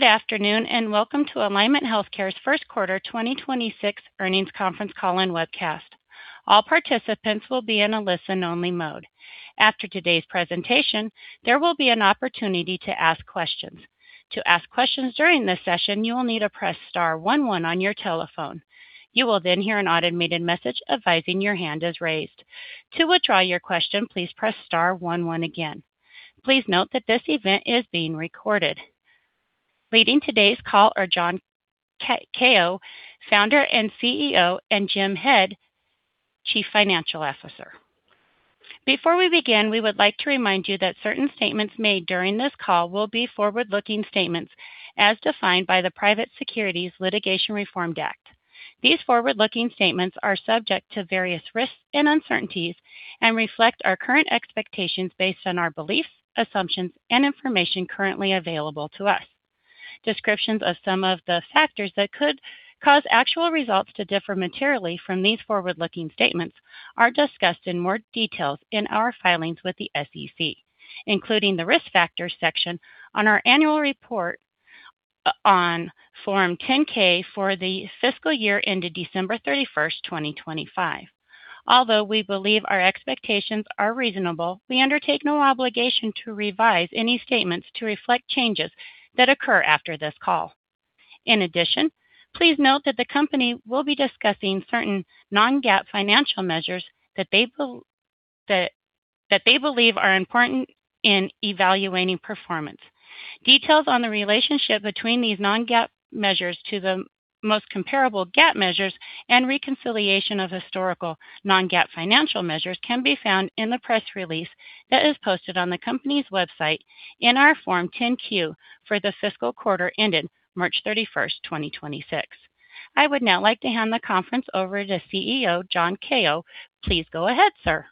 Good afternoon, and welcome to Alignment Healthcare's first quarter 2026 earnings conference call and webcast. All participants will be in a listen-only mode. After today's presentation, there will be an opportunity to ask questions. To ask questions during this session, you will need to press star one one on your telephone. You will then hear an automated message advising your hand is raised. To withdraw your question, please press star one one again. Please note that this event is being recorded. Leading today's call are John Kao, Founder and CEO, and Jim Head, Chief Financial Officer. Before we begin, we would like to remind you that certain statements made during this call will be forward-looking statements as defined by the Private Securities Litigation Reform Act. These forward-looking statements are subject to various risks and uncertainties and reflect our current expectations based on our beliefs, assumptions, and information currently available to us. Descriptions of some of the factors that could cause actual results to differ materially from these forward-looking statements are discussed in more details in our filings with the SEC, including the Risk Factors section on our annual report on Form 10-K for the fiscal year ended December 31st, 2025. Although we believe our expectations are reasonable, we undertake no obligation to revise any statements to reflect changes that occur after this call. In addition, please note that the company will be discussing certain non-GAAP financial measures that they believe are important in evaluating performance. Details on the relationship between these non-GAAP measures to the most comparable GAAP measures and reconciliation of historical non-GAAP financial measures can be found in the press release that is posted on the company's website in our Form 10-Q for the fiscal quarter ended March 31st, 2026. I would now like to hand the conference over to CEO, John Kao. Please go ahead, sir.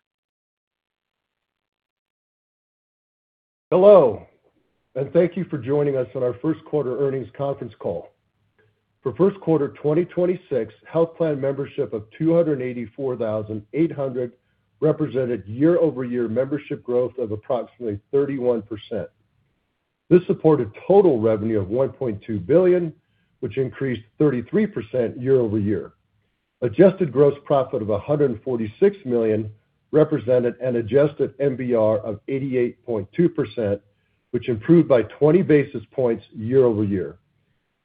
Hello, and thank you for joining us on our first quarter earnings conference call. For first quarter 2026, health plan membership of 284,800 represented year-over-year membership growth of approximately 31%. This supported total revenue of $1.2 billion, which increased 33% year-over-year. Adjusted gross profit of $146 million represented an adjusted MBR of 88.2%, which improved by 20 basis points year-over-year.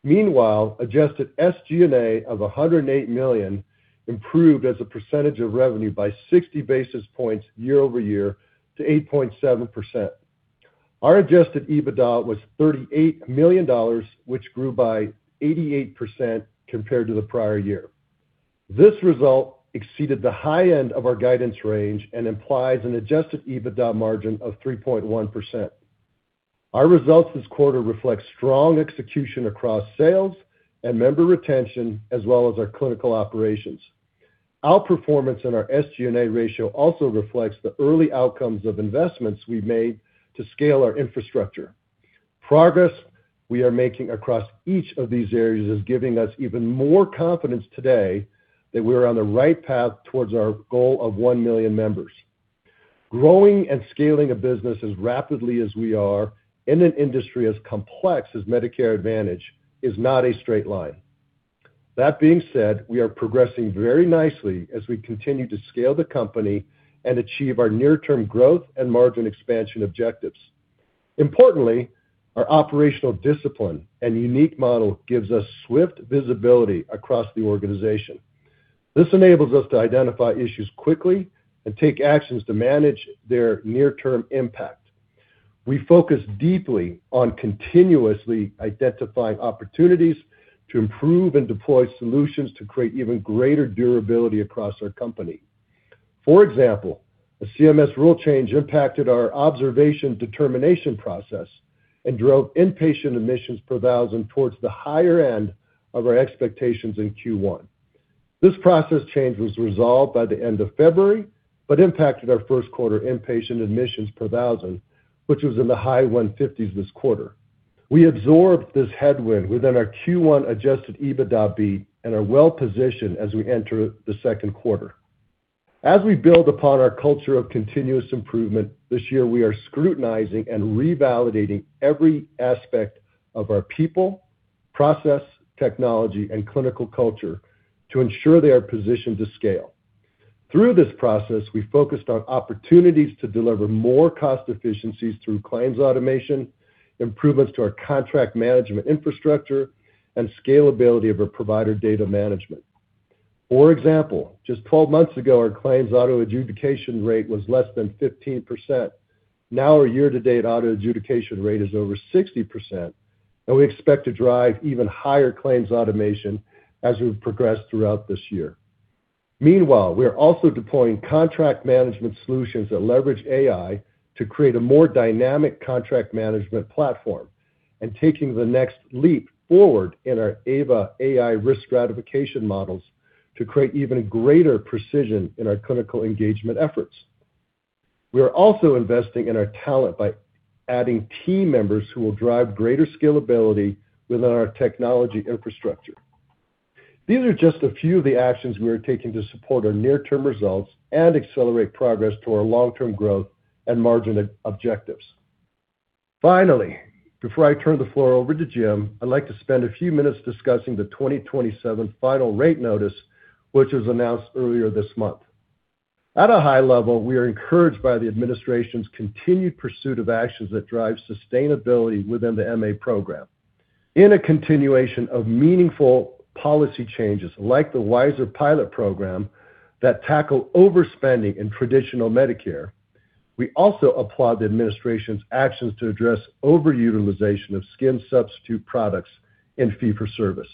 Meanwhile, adjusted SG&A of $108 million improved as a percentage of revenue by 60 basis points year-over-year to 8.7%. Our adjusted EBITDA was $38 million, which grew by 88% compared to the prior year. This result exceeded the high end of our guidance range and implies an adjusted EBITDA margin of 3.1%. Our results this quarter reflect strong execution across sales and member retention as well as our clinical operations. Our performance and our SG&A ratio also reflects the early outcomes of investments we've made to scale our infrastructure. Progress we are making across each of these areas is giving us even more confidence today that we're on the right path towards our goal of 1 million members. Growing and scaling a business as rapidly as we are in an industry as complex as Medicare Advantage is not a straight line. That being said, we are progressing very nicely as we continue to scale the company and achieve our near-term growth and margin expansion objectives. Importantly, our operational discipline and unique model gives us swift visibility across the organization. This enables us to identify issues quickly and take actions to manage their near-term impact. We focus deeply on continuously identifying opportunities to improve and deploy solutions to create even greater durability across our company. For example, a CMS rule change impacted our observation determination process and drove inpatient admissions per thousand towards the higher end of our expectations in Q1. This process change was resolved by the end of February, but impacted our first quarter inpatient admissions per thousand, which was in the high 150s this quarter. We absorbed this headwind within our Q1 adjusted EBITDA beat and are well positioned as we enter the second quarter. As we build upon our culture of continuous improvement, this year we are scrutinizing and revalidating every aspect of our people, process, technology, and clinical culture to ensure they are positioned to scale. Through this process, we focused on opportunities to deliver more cost efficiencies through claims automation, improvements to our contract management infrastructure, and scalability of our provider data management. For example, just 12 months ago, our claims auto-adjudication rate was less than 15%. Our year-to-date auto-adjudication rate is over 60%, and we expect to drive even higher claims automation as we progress throughout this year. Meanwhile, we are also deploying contract management solutions that leverage AI to create a more dynamic contract management platform and taking the next leap forward in our AVA AI risk stratification models to create even greater precision in our clinical engagement efforts. We are also investing in our talent by adding team members who will drive greater scalability within our technology infrastructure. These are just a few of the actions we are taking to support our near-term results and accelerate progress to our long-term growth and margin objectives. Finally, before I turn the floor over to Jim, I'd like to spend a few minutes discussing the 2027 final rate notice, which was announced earlier this month. At a high level, we are encouraged by the administration's continued pursuit of actions that drive sustainability within the MA program. In a continuation of meaningful policy changes, like the WISeR pilot program, that tackle overspending in traditional Medicare, we also applaud the administration's actions to address overutilization of skin substitute products in fee for service.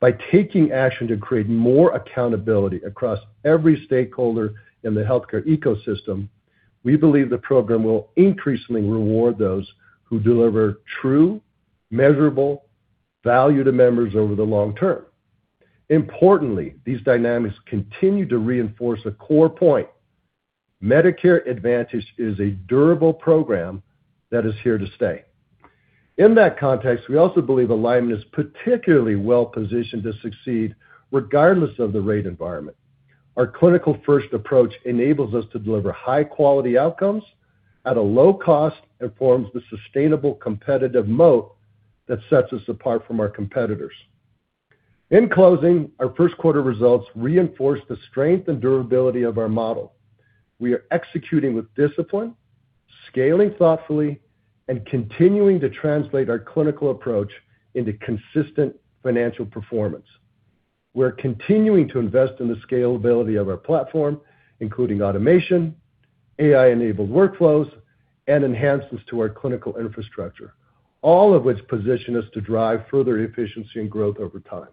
By taking action to create more accountability across every stakeholder in the healthcare ecosystem, we believe the program will increasingly reward those who deliver true measurable value to members over the long-term. Importantly, these dynamics continue to reinforce a core point. Medicare Advantage is a durable program that is here to stay. In that context, we also believe Alignment is particularly well-positioned to succeed regardless of the rate environment. Our clinical-first approach enables us to deliver high-quality outcomes at a low cost and forms the sustainable competitive moat that sets us apart from our competitors. In closing, our first quarter results reinforce the strength and durability of our model. We are executing with discipline, scaling thoughtfully, and continuing to translate our clinical approach into consistent financial performance. We're continuing to invest in the scalability of our platform, including automation, AI-enabled workflows, and enhancements to our clinical infrastructure, all of which position us to drive further efficiency and growth over time.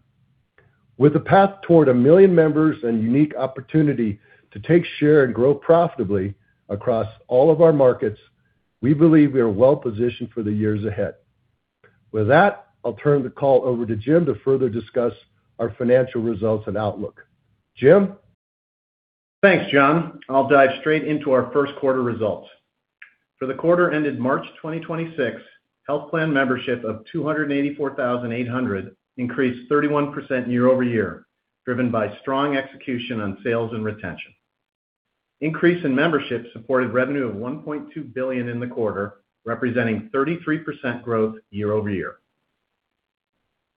With a path toward 1 million members and unique opportunity to take share and grow profitably across all of our markets, we believe we are well-positioned for the years ahead. With that, I'll turn the call over to Jim to further discuss our financial results and outlook. Jim? Thanks, John. I'll dive straight into our first quarter results. For the quarter ended March 2026, health plan membership of 284,800 increased 31% year-over-year, driven by strong execution on sales and retention. Increase in membership supported revenue of $1.2 billion in the quarter, representing 33% growth year-over-year.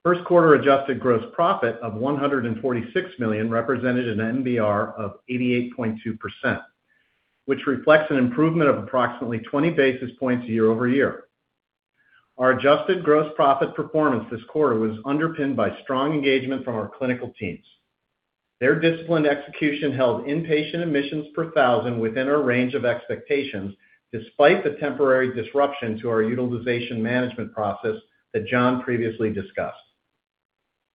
First quarter adjusted gross profit of $146 million represented an MBR of 88.2%, which reflects an improvement of approximately 20 basis points year-over-year. Our adjusted gross profit performance this quarter was underpinned by strong engagement from our clinical teams. Their disciplined execution held inpatient admissions per thousand within our range of expectations, despite the temporary disruption to our utilization management process that John previously discussed.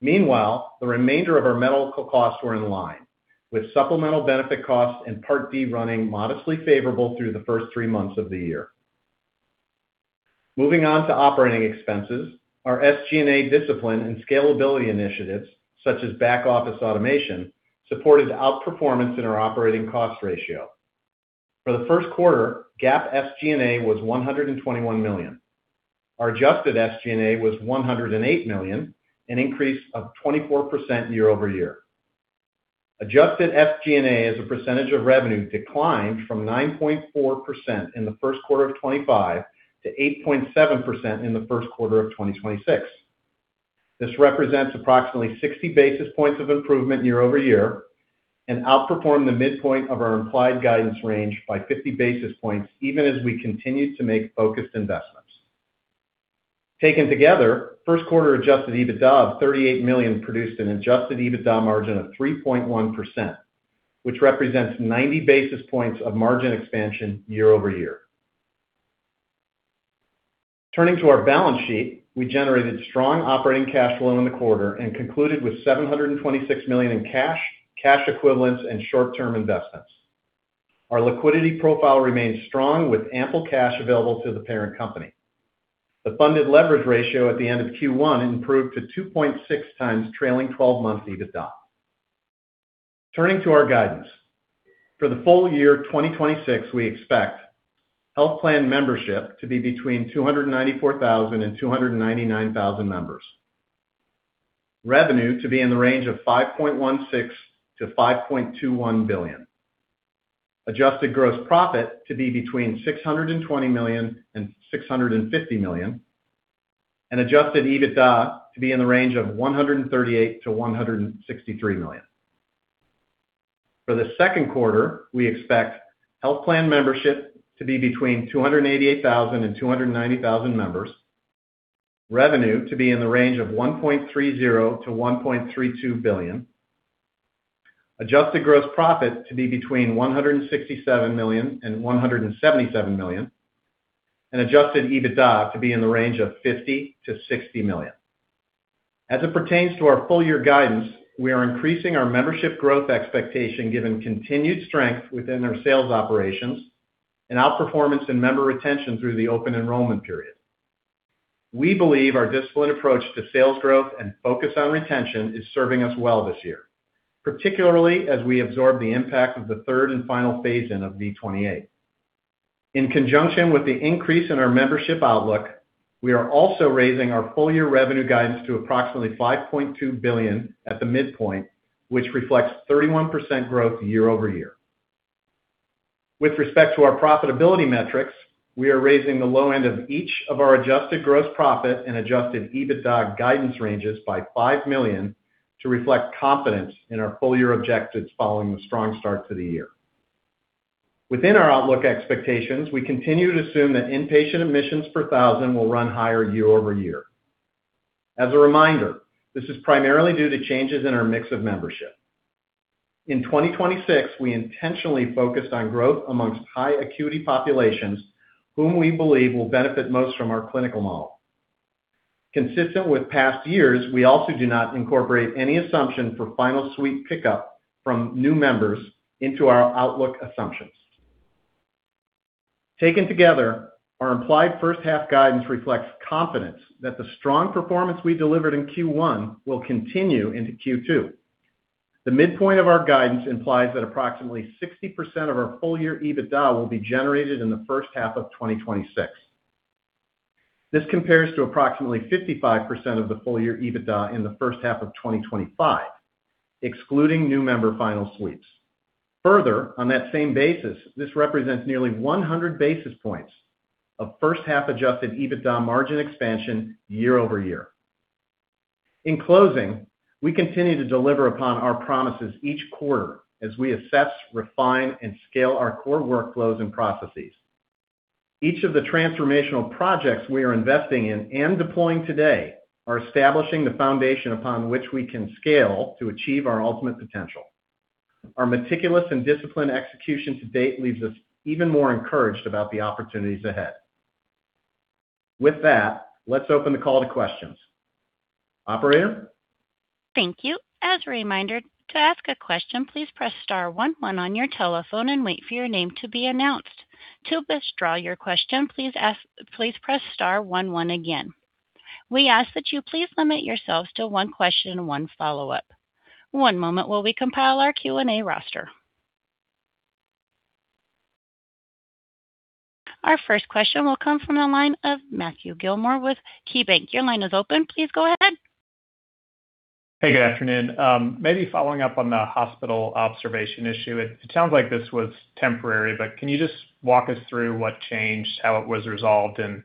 Meanwhile, the remainder of our medical costs were in line, with supplemental benefit costs and Part D running modestly favorable through the first three months of the year. Moving on to operating expenses, our SG&A discipline and scalability initiatives, such as back-office automation, supported outperformance in our operating cost ratio. For the first quarter, GAAP SG&A was $121 million. Our Adjusted SG&A was $108 million, an increase of 24% year-over-year. Adjusted SG&A as a percentage of revenue declined from 9.4% in the first quarter of 2025 to 8.7% in the first quarter of 2026. This represents approximately 60 basis points of improvement year-over-year and outperformed the midpoint of our implied guidance range by 50 basis points, even as we continued to make focused investments. Taken together, first quarter adjusted EBITDA of $38 million produced an adjusted EBITDA margin of 3.1%, which represents 90 basis points of margin expansion year-over-year. Turning to our balance sheet, we generated strong operating cash flow in the quarter and concluded with $726 million in cash equivalents, and short-term investments. Our liquidity profile remains strong, with ample cash available to the parent company. The funded leverage ratio at the end of Q1 improved to 2.6x trailing 12-month EBITDA. Turning to our guidance. For the full year 2026, we expect health plan membership to be between 294,000 and 299,000 members. Revenue to be in the range of $5.16 billion to $5.21 billion. Adjusted gross profit to be between $620 million and $650 million. Adjusted EBITDA to be in the range of $138 million to $163 million. For the second quarter, we expect health plan membership to be between 288,000 and 290,000 members. Revenue to be in the range of $1.30 billion to $1.32 billion. Adjusted gross profit to be between $167 million and $177 million. Adjusted EBITDA to be in the range of $50 million to $60 million. As it pertains to our full year guidance, we are increasing our membership growth expectation given continued strength within our sales operations and outperformance in member retention through the open enrollment period. We believe our disciplined approach to sales growth and focus on retention is serving us well this year, particularly as we absorb the impact of the third and final phase-in of V28 in conjunction with the increase in our membership outlook, we are also raising our full-year revenue guidance to approximately $5.2 billion at the midpoint, which reflects 31% growth year-over-year. With respect to our profitability metrics, we are raising the low end of each of our adjusted Gross Profit and adjusted EBITDA guidance ranges by $5 million to reflect confidence in our full year objectives following the strong start to the year. Within our outlook expectations, we continue to assume that inpatient admissions per 1,000 will run higher year-over-year. As a reminder, this is primarily due to changes in our mix of membership. In 2026, we intentionally focused on growth amongst high acuity populations, whom we believe will benefit most from our clinical model. Consistent with past years, we also do not incorporate any assumption for final suite pickup from new members into our outlook assumptions. Taken together, our implied first half guidance reflects confidence that the strong performance we delivered in Q1 will continue into Q2. The midpoint of our guidance implies that approximately 60% of our full year EBITDA will be generated in the first half of 2026. This compares to approximately 55% of the full year EBITDA in the first half of 2025, excluding new member final suites. Further, on that same basis, this represents nearly 100 basis points of first half adjusted EBITDA margin expansion year-over-year. In closing, we continue to deliver upon our promises each quarter as we assess, refine, and scale our core workflows and processes. Each of the transformational projects we are investing in and deploying today are establishing the foundation upon which we can scale to achieve our ultimate potential. Our meticulous and disciplined execution to date leaves us even more encouraged about the opportunities ahead. With that, let's open the call to questions. Operator? Thank you. As a reminder, to ask a question, please press star one one on your telephone and wait for your name to be announced. To withdraw your question, please press star one one again. We ask that you please limit yourselves to one question and one follow-up. One moment while we compile our Q&A roster. Our first question will come from the line of Matthew Gillmor with KeyBanc. Your line is open. Please go ahead. Hey, good afternoon. Maybe following up on the hospital observation issue. It sounds like this was temporary, but can you just walk us through what changed, how it was resolved, and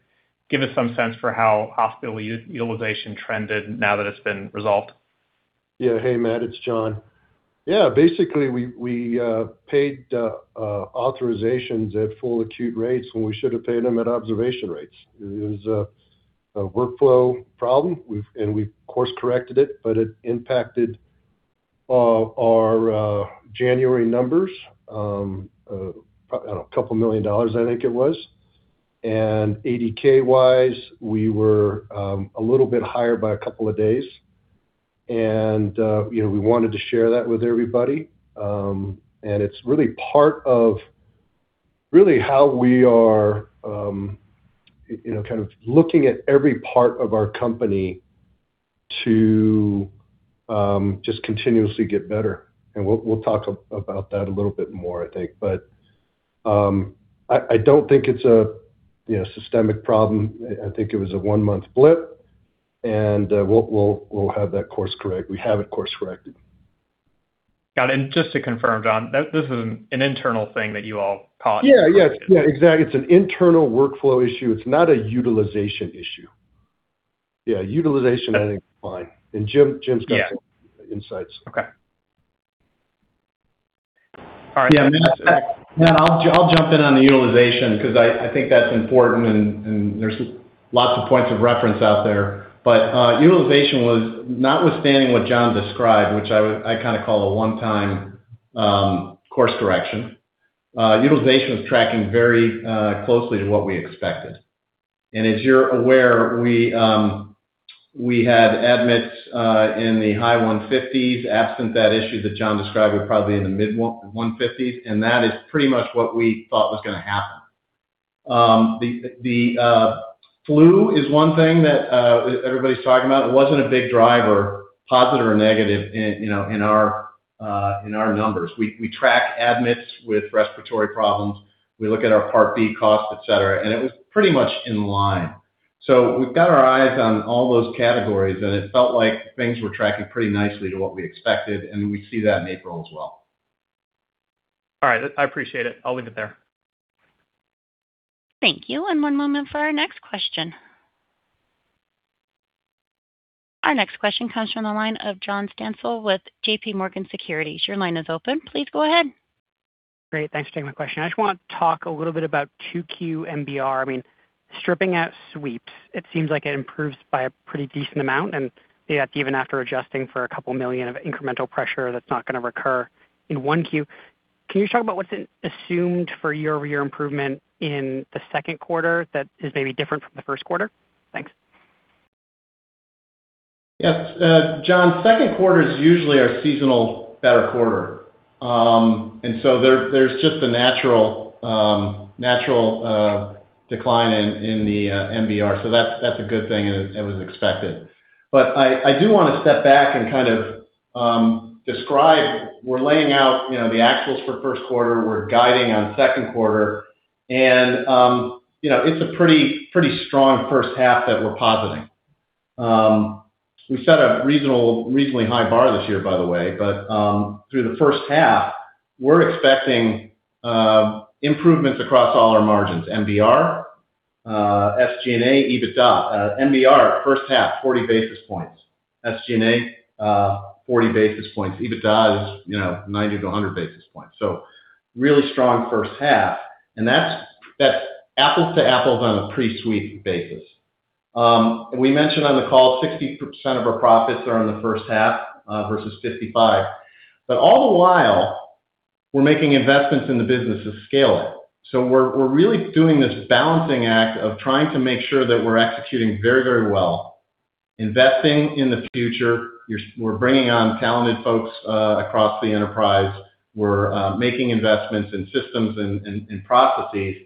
give us some sense for how hospital utilization trended now that it's been resolved? Hey, Matt, it's John. Basically we paid authorizations at full acute rates when we should have paid them at observation rates. It was a workflow problem. We've course corrected it, but it impacted our January numbers, $2 million I think it was. ADK-wise, we were a little bit higher by two days. You know, we wanted to share that with everybody. It's really part of really how we are, you know, kind of looking at every part of our company to just continuously get better. We'll talk about that a little bit more, I think. I don't think it's a, you know, systemic problem. I think it was a one-month blip, and we'll have that course correct. We have it course corrected. Got it. Just to confirm, John, that this is an internal thing that you all caught? Yeah. Yeah. Yeah, exactly. It's an internal workflow issue. It's not a utilization issue. Yeah, utilization I think is fine. Jim's got some insights. Yeah. Okay. All right. Yeah, Matt, I'll jump in on the utilization because I think that's important and there's lots of points of reference out there. Utilization was notwithstanding what John described, which I kind of call a one-time course correction. Utilization was tracking very closely to what we expected. As you're aware, we had admits in the high 150s. Absent that issue that John described, we're probably in the mid 150s, that is pretty much what we thought was gonna happen. The flu is one thing that everybody's talking about. It wasn't a big driver, positive or negative in, you know, in our numbers. We track admits with respiratory problems. We look at our Part B costs, et cetera, it was pretty much in line. We've got our eyes on all those categories, and it felt like things were tracking pretty nicely to what we expected, and we see that in April as well. All right. I appreciate it. I'll leave it there. Thank you. One moment for our next question. Our next question comes from the line of John Stansel with JPMorgan Securities. Your line is open. Please go ahead. Great. Thanks for taking my question. I just want to talk a little bit about 2Q MBR. I mean, stripping out sweeps, it seems like it improves by a pretty decent amount, and yet even after adjusting for $2 million of incremental pressure, that's not going to recur in 1Q. Can you talk about what's assumed for year-over-year improvement in the second quarter that is maybe different from the first quarter? Thanks. Yes. John, second quarter is usually our seasonal better quarter. There's just a natural. Decline in the MBR. That's a good thing and it was expected. I do wanna step back and kind of describe we're laying out, you know, the actuals for first quarter, we're guiding on second quarter, and, you know, it's a pretty strong first half that we're positing. We set a reasonably high bar this year, by the way, but through the first half, we're expecting improvements across all our margins, MBR, SG&A, EBITDA. MBR first half, 40 basis points. SG&A, 40 basis points. EBITDA is, you know, 90-100 basis points. Really strong first half, and that's apples to apples on a pre-suite basis. And we mentioned on the call, 60% of our profits are in the first half versus 55%. All the while, we're making investments in the business to scale it. We're really doing this balancing act of trying to make sure that we're executing very, very well, investing in the future. We're bringing on talented folks across the enterprise. We're making investments in systems and processes.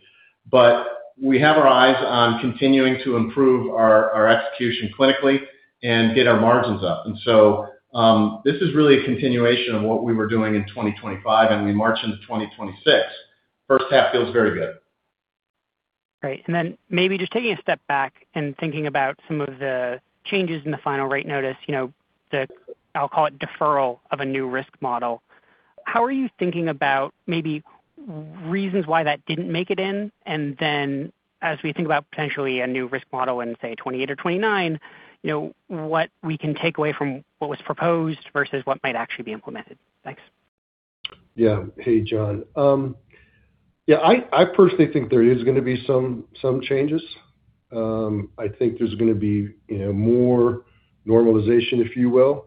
We have our eyes on continuing to improve our execution clinically and get our margins up. This is really a continuation of what we were doing in 2025, and we march into 2026. First half feels very good. Great. Maybe just taking a step back and thinking about some of the changes in the final rate notice, you know, the, I'll call it deferral of a new risk model. How are you thinking about maybe reasons why that didn't make it in? As we think about potentially a new risk model in, say, 2028 or 2029, you know, what we can take away from what was proposed versus what might actually be implemented. Thanks. Yeah. Hey, John. I personally think there is gonna be some changes. I think there's gonna be, you know, more normalization, if you will.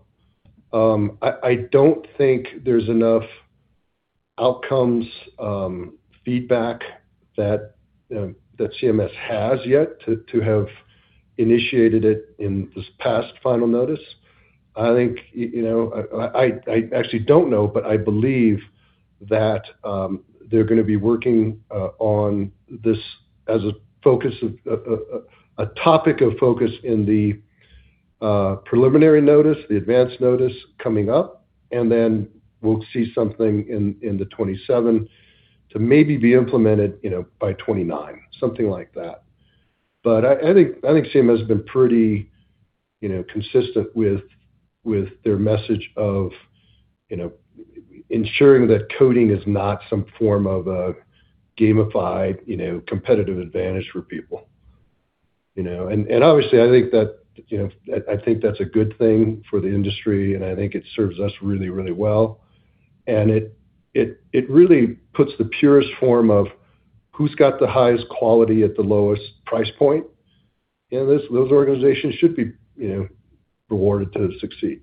I don't think there's enough outcomes feedback that CMS has yet to have initiated it in this past final notice. I think, you know, I actually don't know, but I believe that they're gonna be working on this as a topic of focus in the preliminary notice, the advanced notice coming up, and then we'll see something in 2027 to maybe be implemented, you know, by 2029, something like that. I think CMS has been pretty, you know, consistent with their message of, you know, ensuring that coding is not some form of a gamified, you know, competitive advantage for people, you know. Obviously I think that, you know, I think that's a good thing for the industry, and I think it serves us really, really well. It really puts the purest form of who's got the highest quality at the lowest price point. You know, those organizations should be, you know, rewarded to succeed.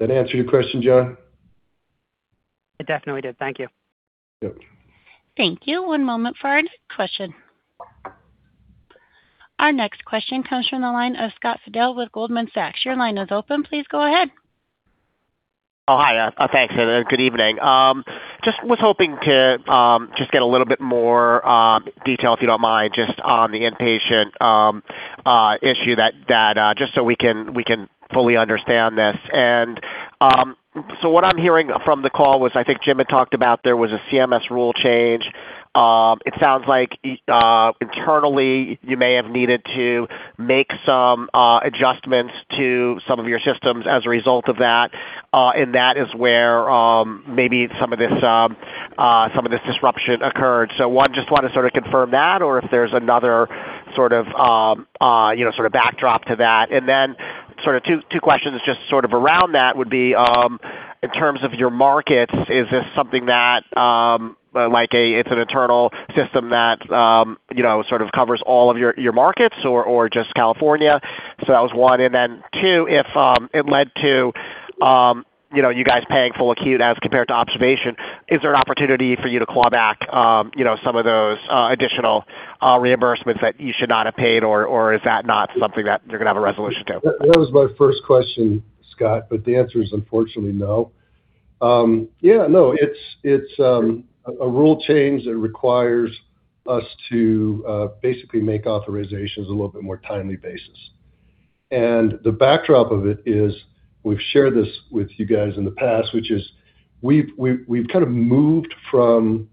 That answer your question, John? It definitely did. Thank you. Yep. Thank you. One moment for our next question. Our next question comes from the line of Scott Fidel with Goldman Sachs. Your line is open. Please go ahead. Oh, hi. Thanks. Good evening. Just was hoping to just get a little bit more detail, if you don't mind, just on the inpatient issue that just so we can fully understand this. What I'm hearing from the call was I think Jim had talked about there was a CMS rule change. It sounds like internally, you may have needed to make some adjustments to some of your systems as a result of that, and that is where maybe some of this some of this disruption occurred. One, just wanna sort of confirm that, or if there's another sort of, you know, sort of backdrop to that. Sort of two questions just sort of around that would be, in terms of your markets, is this something that it's an internal system that, you know, sort of covers all of your markets or just California? That was one. Then two, if it led to, you know, you guys paying full acute as compared to observation, is there an opportunity for you to claw back, you know, some of those additional reimbursements that you should not have paid, or is that not something that you're going to have a resolution to? That was my first question, Scott. The answer is unfortunately no. Yeah, no, it's a rule change that requires us to basically make authorizations a little bit more timely basis. The backdrop of it is, we've shared this with you guys in the past, which is we've kind of moved from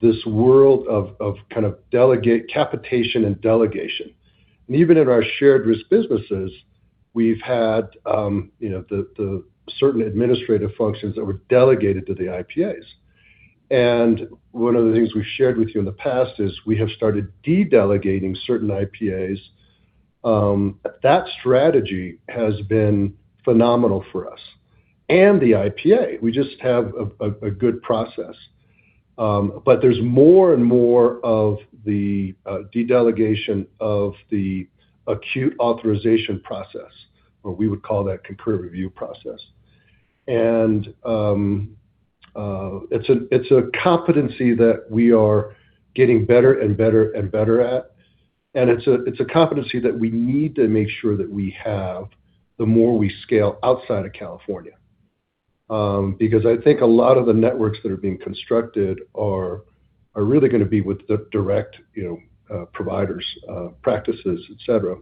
this world of kind of delegate capitation and delegation. Even in our shared risk businesses, we've had, you know, the certain administrative functions that were delegated to the IPAs. One of the things we've shared with you in the past is we have started de-delegating certain IPAs. That strategy has been phenomenal for us and the IPA. We just have a good process. There's more and more of the de-delegation of the acute authorization process, or we would call that concurrent review process. It's a competency that we are getting better and better and better at. It's a competency that we need to make sure that we have, the more we scale outside of California. Because I think a lot of the networks that are being constructed are really gonna be with the direct, you know, providers, practices, et cetera,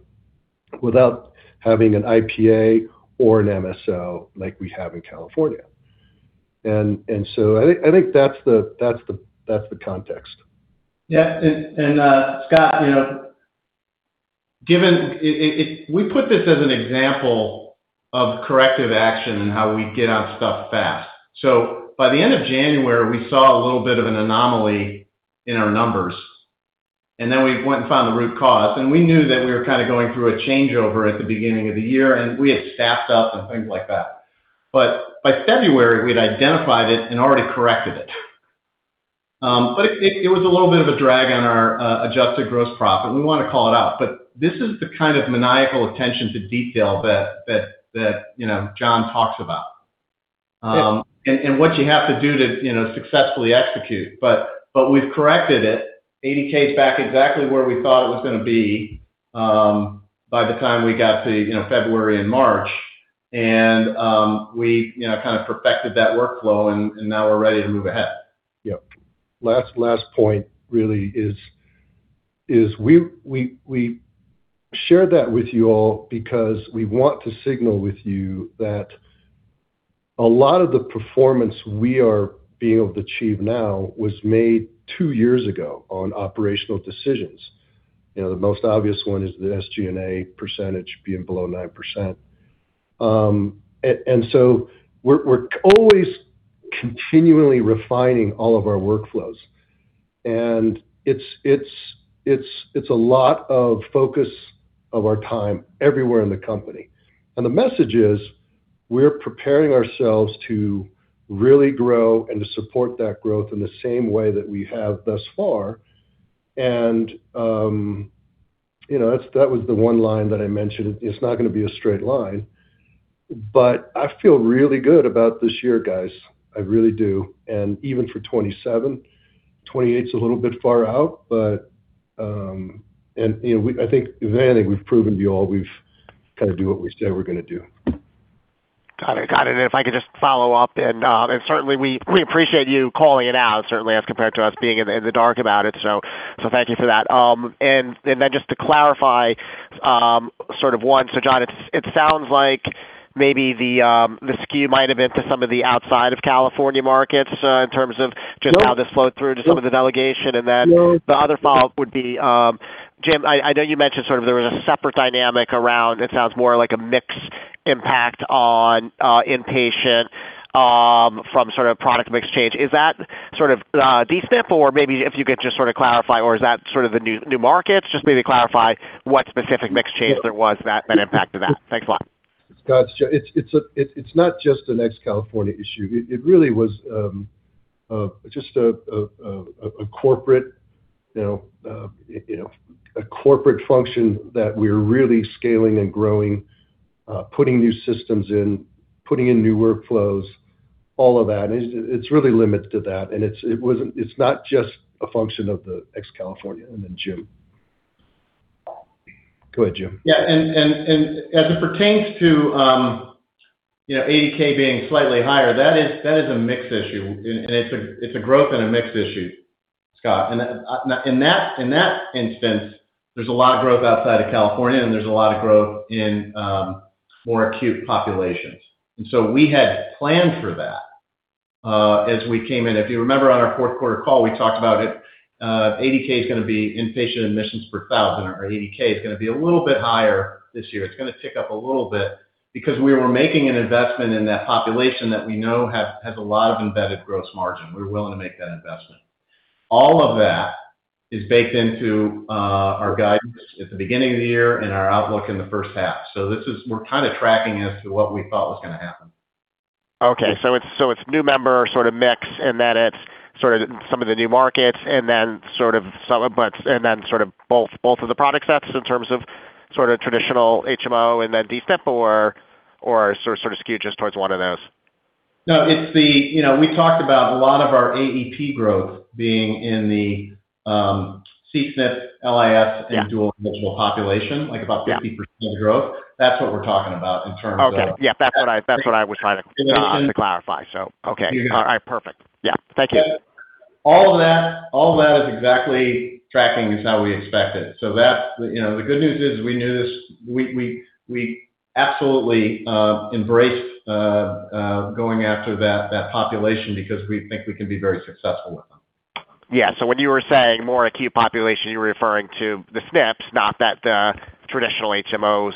without having an IPA or an MSO like we have in California. I think that's the context. Scott Fidel, you know, given we put this as an example of corrective action and how we get on stuff fast. By the end of January, we saw a little bit of an anomaly in our numbers, and then we went and found the root cause. We knew that we were kind of going through a changeover at the beginning of the year, and we had staffed up and things like that. By February, we had identified it and already corrected it. It was a little bit of a drag on our adjusted gross profit, and we want to call it out. This is the kind of maniacal attention to detail that, you know, John Kao talks about. What you have to do to, you know, successfully execute. We've corrected it. ADK's back exactly where we thought it was gonna be, by the time we got to, you know, February and March. We, you know, kind of perfected that workflow, now we're ready to move ahead. Yep. Last point really is we shared that with you all because we want to signal with you that a lot of the performance we are being able to achieve now was made two years ago on operational decisions. You know, the most obvious one is the SG&A percentage being below 9%. So we're always continually refining all of our workflows. It's a lot of focus of our time everywhere in the company. The message is, we're preparing ourselves to really grow and to support that growth in the same way that we have thus far. You know, that was the one line that I mentioned. It's not gonna be a straight line. I feel really good about this year, guys. I really do. Even for 2027. 28's a little bit far out, but, and, you know, I think, vanity, we've proven to you all we kind of do what we say we're going to do. Got it. Got it. If I could just follow up, and certainly we appreciate you calling it out, certainly, as compared to us being in the dark about it. Thank you for that. Then just to clarify, sort of one, John, it sounds like maybe the skew might have been to some of the outside of California markets, in terms of just how this flowed through just some of the delegation. Then the other follow-up would be, Jim, I know you mentioned sort of there was a separate dynamic around it sounds more like a mix impact on inpatient, from sort of product mix change. Is that sort of D-SNP, or maybe if you could just sort of clarify, or is that sort of the new markets? Just maybe clarify what specific mix change there was that impacted that. Thanks a lot. Scott, it's not just an ex California issue. It really was just a corporate, you know, a corporate function that we're really scaling and growing, putting new systems in, putting in new workflows, all of that. It's really limited to that. It's not just a function of the ex California. Jim. Go ahead, Jim. Yeah. As it pertains to, you know, ADK being slightly higher, that is a mix issue. It's a growth and a mix issue, Scott. In that instance, there's a lot of growth outside of California, and there's a lot of growth in more acute populations. We had planned for that as we came in. If you remember on our fourth quarter call, we talked about it. ADK is gonna be inpatient admissions per 1,000, or ADK is gonna be a little bit higher this year. It's gonna tick up a little bit because we were making an investment in that population that we know has a lot of embedded gross margin. We're willing to make that investment. All of that is baked into our guidance at the beginning of the year and our outlook in the first half. We're kind of tracking as to what we thought was going to happen. Okay. It's new member sort of mix, and then it's sort of some of the new markets and then sort of both of the product sets in terms of sort of traditional HMO and then D-SNP or sort of skewed just towards one of those? No, it's the, you know, we talked about a lot of our AEP growth being in the, C-SNP, LIS, and dual eligible population, like about 50% growth. That's what we're talking about. Okay. Yeah, that's what I was trying to clarify. Okay. All right, perfect. Yeah. Thank you. All of that is exactly tracking just how we expected. That's, you know, the good news is we knew this. We absolutely embrace going after that population because we think we can be very successful with them. Yeah. When you were saying more acute population, you were referring to the SNPs, not that the traditional HMOs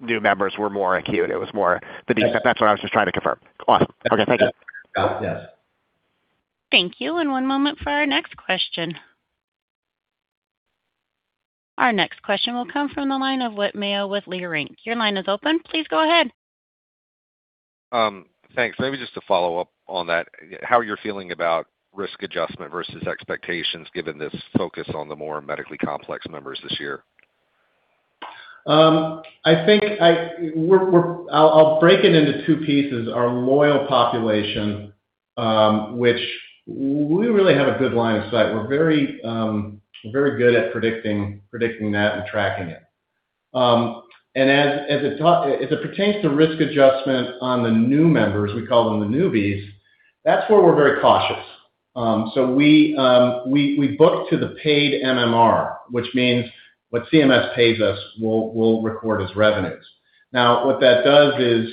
new members were more acute. It was more the D-SNP. That's what I was just trying to confirm. Awesome. Okay, thank you. Got it. Yes. Thank you. One moment for our next question. Our next question will come from the line of Whit Mayo with Leerink. Your line is open. Please go ahead. Thanks. Maybe just to follow up on that, how you're feeling about risk adjustment versus expectations, given this focus on the more medically complex members this year? I think I'll break it into two pieces. Our loyal population, which we really have a good line of sight. We're very, very good at predicting that and tracking it. As it pertains to risk adjustment on the new members, we call them the newbies, that's where we're very cautious. We book to the paid MMR, which means what CMS pays us, we'll record as revenues. Now, what that does is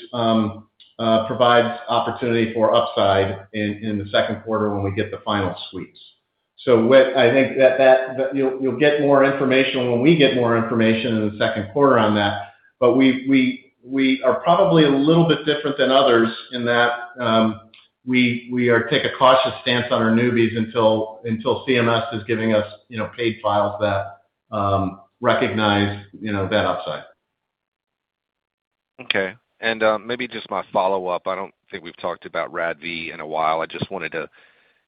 provides opportunity for upside in the second quarter when we get the final sweeps. I think that. You'll get more information when we get more information in the second quarter on that. We are probably a little bit different than others in that, we take a cautious stance on our newbies until CMS is giving us, you know, paid files that recognize, you know, that upside. Okay. Maybe just my follow-up. I don't think we've talked about RADV in a while. I just wanted to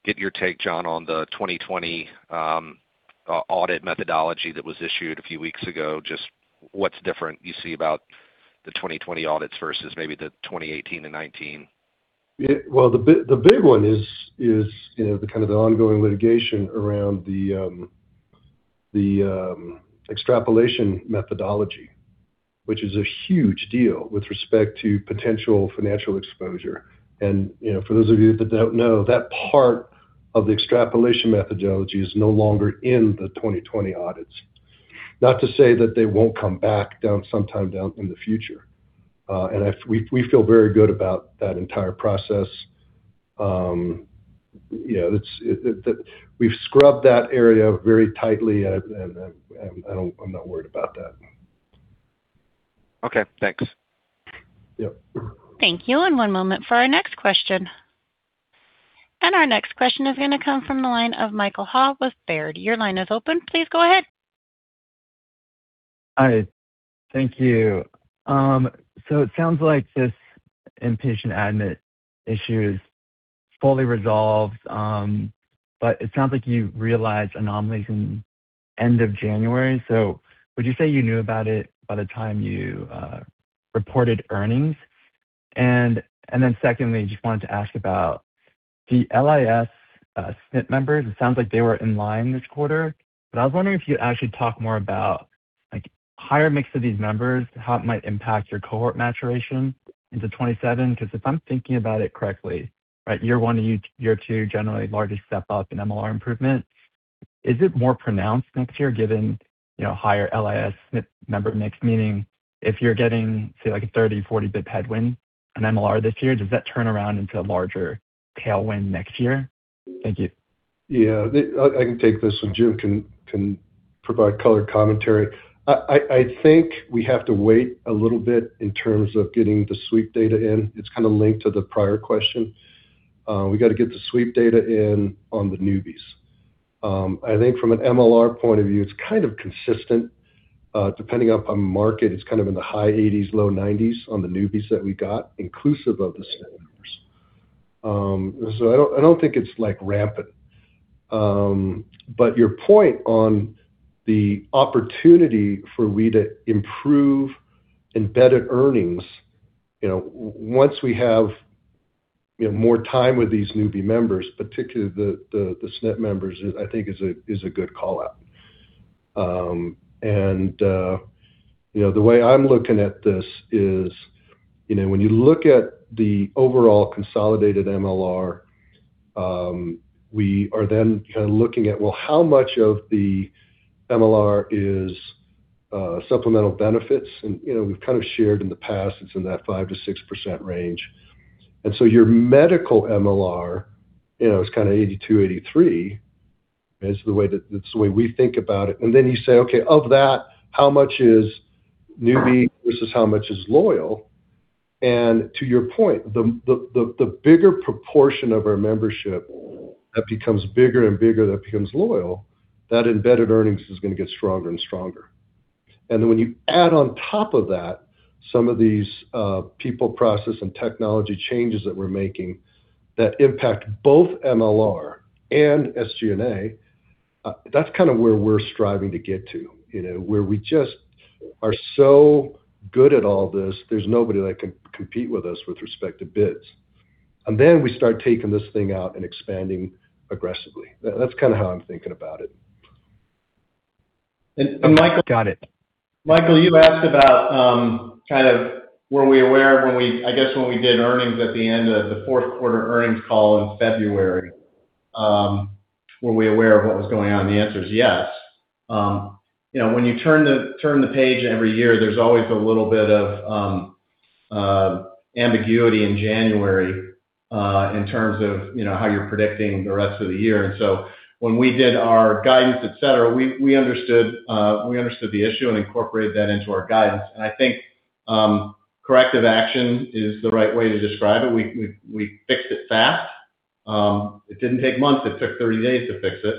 get your take, John, on the 2020 audit methodology that was issued a few weeks ago. Just what's different you see about the 2020 audits versus maybe the 2018 and 2019? Yeah. Well, the big one is, you know, the kind of the ongoing litigation around the extrapolation methodology, which is a huge deal with respect to potential financial exposure. You know, for those of you that don't know, that part of the extrapolation methodology is no longer in the 2020 audits. Not to say that they won't come back down sometime down in the future. We feel very good about that entire process. You know, it's, we've scrubbed that area very tightly and I, and, I'm not worried about that. Okay, thanks. Yep. Thank you. One moment for our next question. Our next question is gonna come from the line of Michael Hall with Baird. Your line is open. Please go ahead. Hi. Thank you. It sounds like this inpatient admit issue is fully resolved, but it sounds like you realized anomalies in end of January. Would you say you knew about it by the time you reported earnings? Secondly, just wanted to ask about the LIS SNP members. It sounds like they were in line this quarter, but I was wondering if you'd actually talk more about, like, higher mix of these members, how it might impact your cohort maturation into 2027. If I'm thinking about it correctly, right, year one and year two, generally largest step up in MLR improvement. Is it more pronounced next year given, you know, higher LIS SNP member mix? Meaning if you're getting, say, like a 30, 40 basis point headwind in MLR this year, does that turn around into a larger tailwind next year? Thank you. Yeah. I can take this, and Jim can provide color commentary. I think we have to wait a little bit in terms of getting the sweep data in. It's kind of linked to the prior question. We got to get the sweep data in on the newbies. I think from an MLR point of view, it's kind of consistent. Depending upon market, it's kind of in the high 80s, low 90s on the newbies that we got, inclusive of the SNP members. I don't think it's like rampant. Your point on the opportunity for we to improve embedded earnings, you know, once we have, you know, more time with these newbie members, particularly the SNP members, is I think is a good call-out. You know, the way I'm looking at this is, you know, when you look at the overall consolidated MLR, we are then kinda looking at, well, how much of the MLR is supplemental benefits? You know, we've kind of shared in the past, it's in that 5%-6% range. Your medical MLR, you know, is kinda 82%, 83%, that's the way we think about it. You say, okay, of that, how much is newbie versus how much is loyal? To your point, the bigger proportion of our membership that becomes bigger and bigger, that becomes loyal, that embedded earnings is gonna get stronger and stronger. When you add on top of that some of these, people process and technology changes that we're making that impact both MLR and SG&A, that's kind of where we're striving to get to. You know, where we just are so good at all this, there's nobody that can compete with us with respect to bids. We start taking this thing out and expanding aggressively. That's kinda how I'm thinking about it. Michael- Got it. Michael, you asked about, kind of were we aware I guess when we did earnings at the end of the fourth quarter earnings call in February, were we aware of what was going on? The answer is yes. You know, when you turn the page every year, there's always a little bit of ambiguity in January, in terms of, you know, how you're predicting the rest of the year. When we did our guidance, et cetera, we understood, we understood the issue and incorporated that into our guidance. I think corrective action is the right way to describe it. We fixed it fast. It didn't take months, it took 30 days to fix it.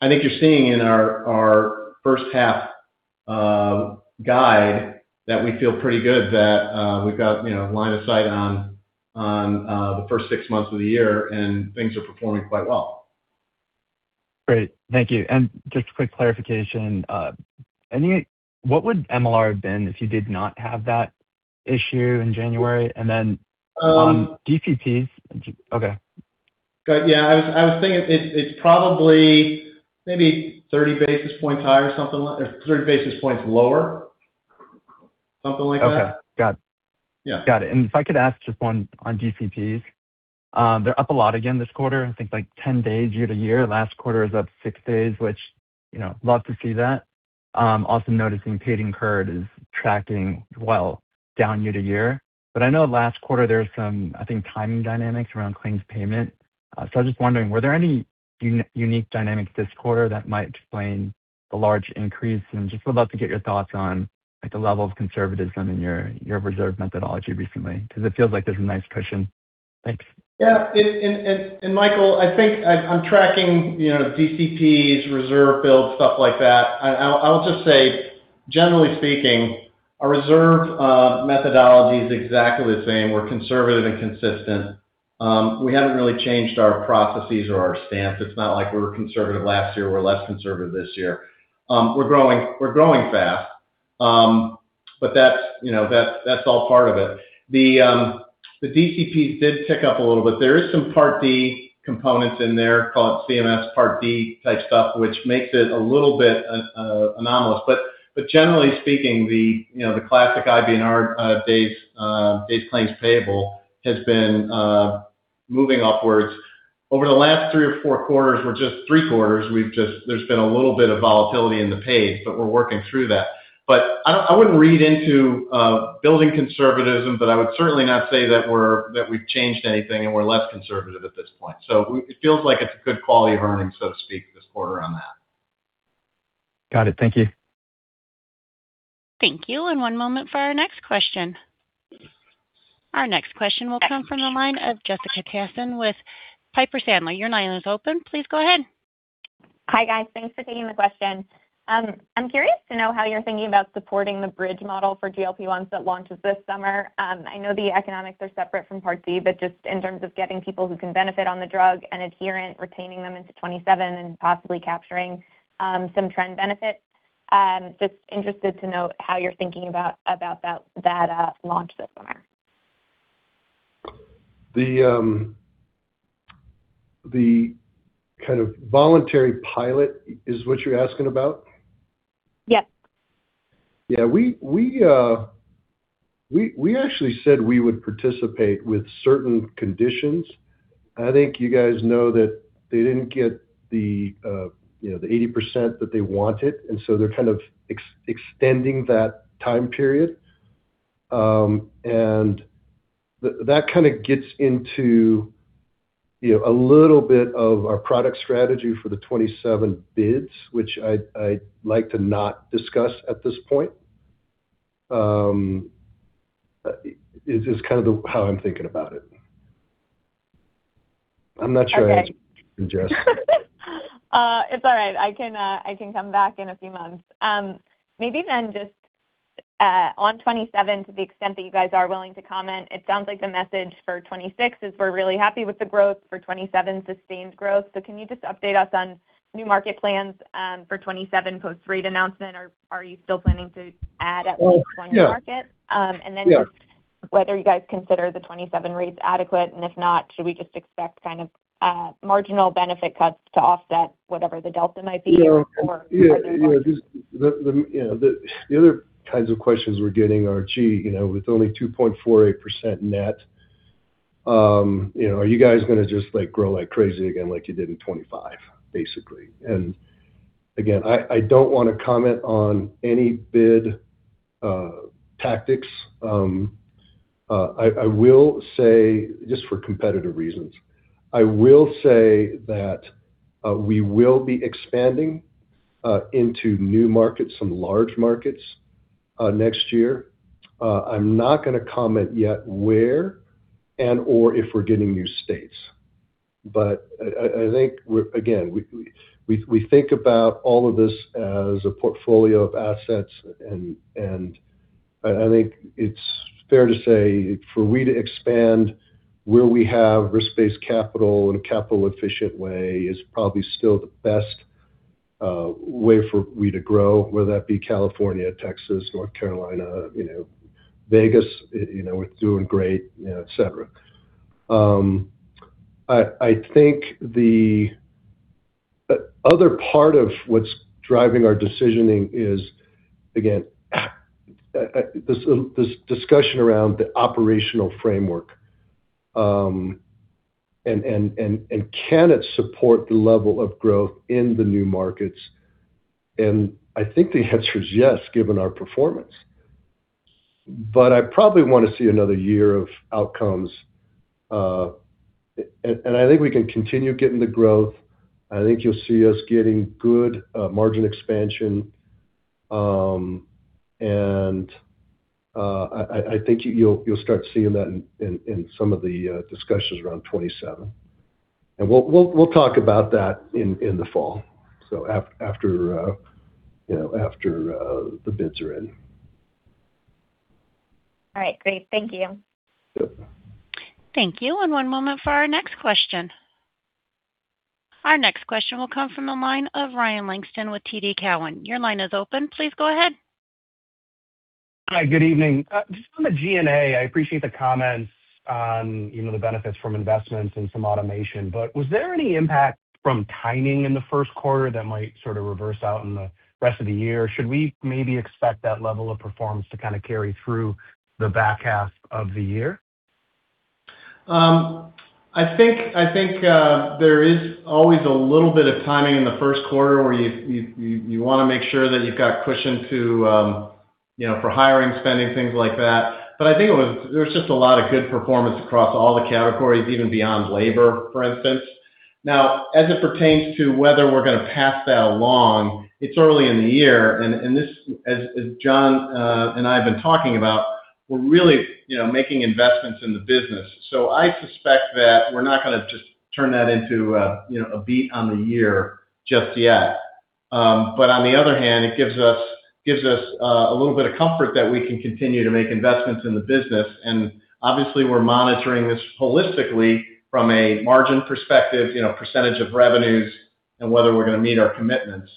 I think you're seeing in our first half guide that we feel pretty good that we've got, you know, line of sight on the first six months of the year, and things are performing quite well. Great. Thank you. Just a quick clarification, what would MLR have been if you did not have that issue in January? DPPs. Okay. Good. Yeah, I was thinking it's probably maybe 30 basis points higher or something like or 30 basis points lower, something like that. Okay. Got it. Yeah. Got it. If I could ask just one on DCPs. They're up a lot again this quarter. I think like 10 days year-to-year. Last quarter was up six days, which, you know, love to see that. Also noticing paid incurred is tracking well down year-to-year. I know last quarter there was some, I think, timing dynamics around claims payment. I was just wondering, were there any unique dynamics this quarter that might explain the large increase? Just would love to get your thoughts on, like, the level of conservatism in your reserve methodology recently, because it feels like there's a nice cushion. Thanks. Yeah. Michael, I'm tracking, you know, DCPs, reserve build, stuff like that. I'll just say, generally speaking, our reserve methodology is exactly the same. We're conservative and consistent. We haven't really changed our processes or our stance. It's not like we were conservative last year, we're less conservative this year. We're growing fast. That's, you know, that's all part of it. The DCP did tick up a little bit. There is some Part D components in there called CMS Part D type stuff, which makes it a little bit anomalous. Generally speaking, the, you know, the classic IBNR base claims payable has been moving upwards. Over the last three or four quarters or just three quarters, there's been a little bit of volatility in the pace, we're working through that. I wouldn't read into building conservatism, I would certainly not say that we've changed anything and we're less conservative at this point. It feels like it's a good quality of earnings, so to speak, this quarter on that. Got it. Thank you. Thank you. One moment for our next question. Our next question will come from the line of Jessica Tassan with Piper Sandler. Your line is open. Please go ahead. Hi, guys. Thanks for taking the question. I'm curious to know how you're thinking about supporting the bridge model for GLP-1s that launches this summer. I know the economics are separate from Part D, but just in terms of getting people who can benefit on the drug and adherent retaining them into 2027 and possibly capturing some trend benefits. Just interested to know how you're thinking about that launch this summer. The kind of voluntary pilot is what you're asking about? Yes. Yeah. We actually said we would participate with certain conditions. I think you guys know that they didn't get the, you know, the 80% that they wanted, and so they're kind of extending that time period. That kind of gets into, you know, a little bit of our product strategy for the 2027 bids, which I'd like to not discuss at this point. Is kind of how I'm thinking about it. I'm not sure I answered you, Jess. It's all right. I can, I can come back in a few months. Maybe just on 2027, to the extent that you guys are willing to comment, it sounds like the message for 2026 is we're really happy with the growth, for 2027, sustained growth. Can you just update us on new market plans for 2027 post rate announcement? Are you still planning to add at least one market? Yeah. Um, and then just- Yeah... whether you guys consider the 2027 rates adequate, and if not, should we just expect kind of marginal benefit cuts to offset whatever the delta might be or other ways? Yeah. Yeah. You know, just the, you know, the other kinds of questions we're getting are, "Gee, you know, with only 2.48% net, you know, are you guys gonna just like grow like crazy again like you did in 2025?" Basically. Again, I don't wanna comment on any bid tactics. I will say just for competitive reasons, I will say that we will be expanding into new markets, some large markets next year. I'm not gonna comment yet where and/or if we're getting new states. I think again, we think about all of this as a portfolio of assets and I think it's fair to say for we to expand where we have risk-based capital in a capital efficient way is probably still the best way for we to grow, whether that be California, Texas, North Carolina, you know, Vegas, you know, we're doing great, you know, et cetera. I think the other part of what's driving our decisioning is again, this discussion around the operational framework. Can it support the level of growth in the new markets? I think the answer is yes, given our performance. I probably wanna see another year of outcomes. I think we can continue getting the growth. I think you'll see us getting good margin expansion. I think you'll start seeing that in some of the discussions around 2027. We'll talk about that in the fall, so after, you know, after the bids are in. All right. Great. Thank you. Yep. Thank you. One moment for our next question. Our next question will come from the line of Ryan Langston with TD Cowen. Your line is open. Please go ahead. Hi, good evening. Just on the G&A, I appreciate the comments on, you know, the benefits from investments and some automation. Was there any impact from timing in the first quarter that might sort of reverse out in the rest of the year? Should we maybe expect that level of performance to kind of carry through the back half of the year? I think there is always a little bit of timing in the first quarter where you wanna make sure that you've got cushion to, you know, for hiring, spending, things like that. I think it was there was just a lot of good performance across all the categories, even beyond labor, for instance. Now, as it pertains to whether we're gonna pass that along, it's early in the year and this, as John and I have been talking about, we're really, you know, making investments in the business. I suspect that we're not gonna just turn that into a, you know, a beat on the year just yet. On the other hand, it gives us a little bit of comfort that we can continue to make investments in the business. obviously we're monitoring this holistically from a margin perspective, you know, percentage of revenues and whether we're gonna meet our commitments.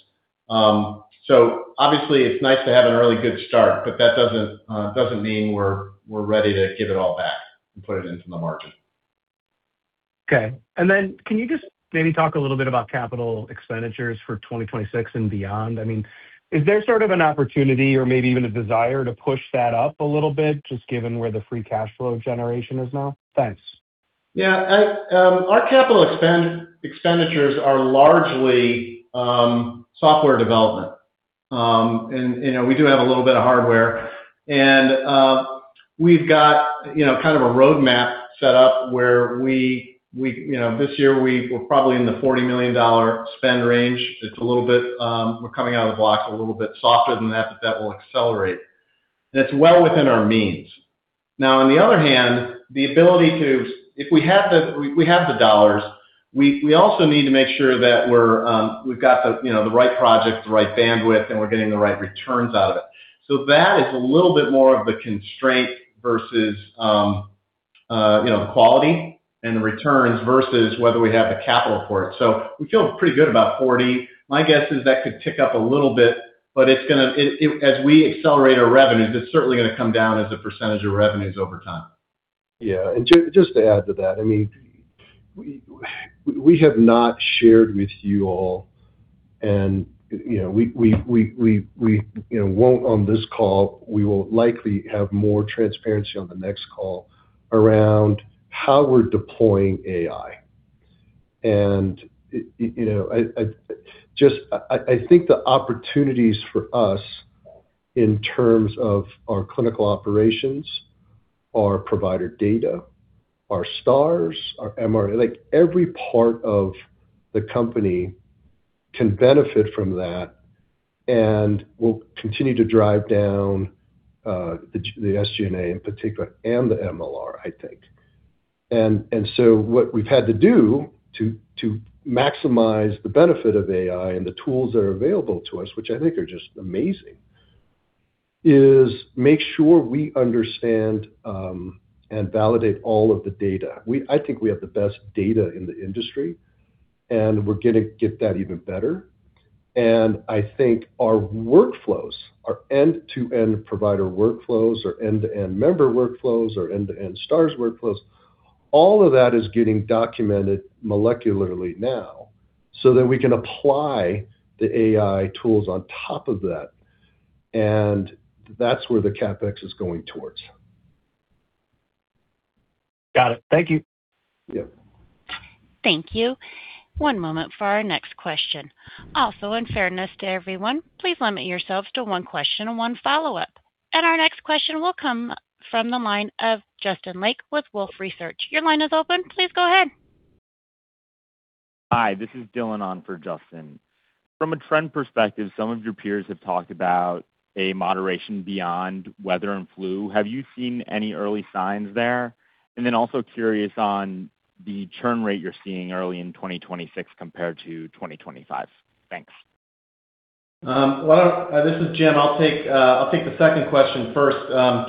obviously it's nice to have an really good start, but that doesn't mean we're ready to give it all back and put it into the margin. Okay. Then can you just maybe talk a little bit about capital expenditures for 2026 and beyond? I mean, is there sort of an opportunity or maybe even a desire to push that up a little bit, just given where the free cash flow generation is now? Thanks. Yeah. Our capital expenditures are largely software development. You know, we do have a little bit of hardware and, we've got, you know, kind of a roadmap set up where we, you know, this year we're probably in the $40 million spend range. It's a little bit, we're coming out of the blocks a little bit softer than that will accelerate, and it's well within our means. On the other hand, if we have the dollars, we also need to make sure that we've got the, you know, the right projects, the right bandwidth, and we're getting the right returns out of it. That is a little bit more of the constraint versus, you know, quality and the returns versus whether we have the capital for it. We feel pretty good about 40. My guess is that could tick up a little bit, but as we accelerate our revenues, it's certainly gonna come down as a percentage of revenues over time. Yeah. Just to add to that, I mean, we have not shared with you all, and, you know, we, you know, won't on this call, we will likely have more transparency on the next call around how we're deploying AI. I think the opportunities for us in terms of our clinical operations, our provider data, our stars, our MLR. Like, every part of the company can benefit from that, and we'll continue to drive down the SG&A in particular, and the MLR, I think. What we've had to do to maximize the benefit of AI and the tools that are available to us, which I think are just amazing, is make sure we understand and validate all of the data. I think we have the best data in the industry, we're going to get that even better. I think our workflows, our end-to-end provider workflows, our end-to-end member workflows, our end-to-end stars workflows, all of that is getting documented molecularly now so that we can apply the AI tools on top of that, and that's where the CapEx is going towards. Got it. Thank you. Yeah. Thank you. One moment for our next question. In fairness to everyone, please limit yourselves to one question and one follow-up. Our next question will come from the line of Justin Lake with Wolfe Research. Your line is open. Please go ahead. Hi, this is Dylan on for Justin. From a trend perspective, some of your peers have talked about a moderation beyond weather and flu. Have you seen any early signs there? Also curious on the churn rate you're seeing early in 2026 compared to 2025. Thanks. Well, this is Jim. I'll take the second question first.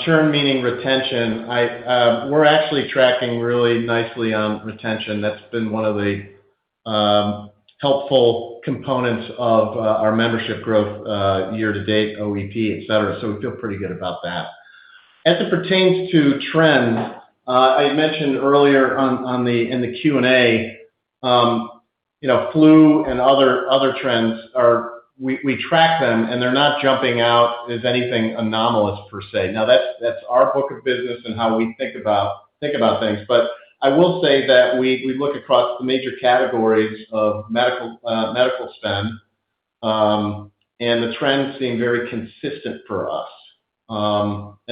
Churn meaning retention. I, we're actually tracking really nicely on retention. That's been one of the helpful components of our membership growth, year to date, OEP, et cetera. We feel pretty good about that. As it pertains to trends, I had mentioned earlier on, in the Q&A, you know, flu and other trends, we track them, and they're not jumping out as anything anomalous per se. That's our book of business and how we think about things. I will say that we look across the major categories of medical spend, and the trends seem very consistent for us.